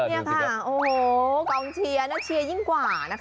นี่ค่ะโอ้โหกองเชียร์น่าเชียร์ยิ่งกว่านะคะ